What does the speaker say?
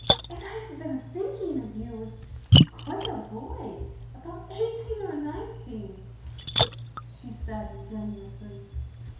"And I have been thinking of you as quite a boy, about eighteen or nineteen," she said, ingenuously.